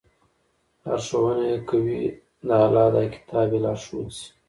لارښوونه ئې كوي، د الله دا كتاب ئې لارښود شي